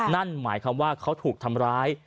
นั่นหมายความว่าเขาถูกทำร้าย